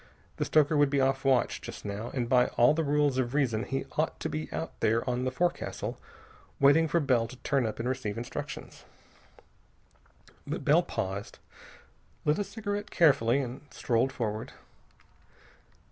The stoker would be off watch, just now, and by all the rules of reason he ought to be out there on the forecastle, waiting for Bell to turn up and receive instructions. But Bell paused, lit a cigarette carefully, and strolled forward.